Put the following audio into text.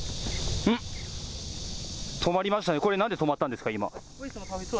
止まりましたね、これ、なんで今、止まったんですか？